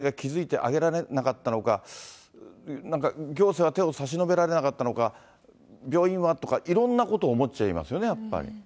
それから例えば、警察に誰かが通報しなかったのか、学校の先生たちが気付いてあげられなかったのか、なんか行政は手を差し伸べられなかったのか、病院はとかいろんなことを思っちゃいますよね、やっぱり。